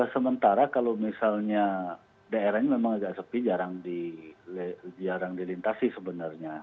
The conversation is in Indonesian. sementara kalau misalnya daerahnya memang agak sepi jarang dilintasi sebenarnya